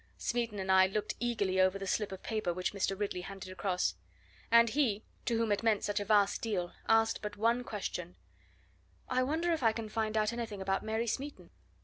Smeaton and I looked eagerly over the slip of paper which Mr. Ridley handed across. And he, to whom it meant such a vast deal, asked but one question: "I wonder if I can find out anything about Mary Smeaton!"